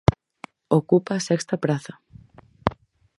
Ocupa a sexta praza.